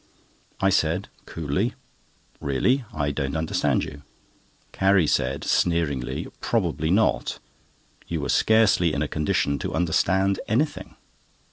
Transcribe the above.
I said, coolly: "Really, I don't understand you." Carrie said sneeringly: "Probably not; you were scarcely in a condition to understand anything."